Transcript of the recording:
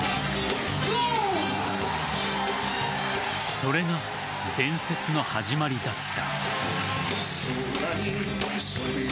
それが伝説の始まりだった。